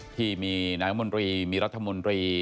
ที่มีนายมนตรีมีรัฐมนตรี